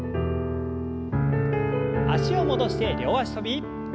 脚を戻して両脚跳び。